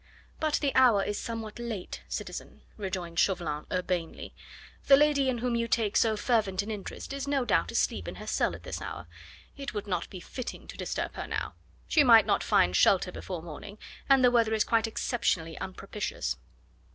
"But the hour is somewhat late, citizen," rejoined Chauvelin urbanely. "The lady in whom you take so fervent an interest is no doubt asleep in her cell at this hour. It would not be fitting to disturb her now. She might not find shelter before morning, and the weather is quite exceptionally unpropitious."